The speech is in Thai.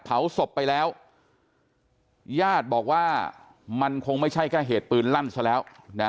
เผาศพไปแล้วญาติบอกว่ามันคงไม่ใช่แค่เหตุปืนลั่นซะแล้วนะ